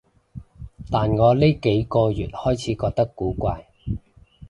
但我呢幾個月開始覺得古怪